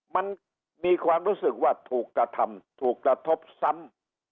มันมีความรู้สึกว่าถูกกระทำถูกกระทบซ้ำ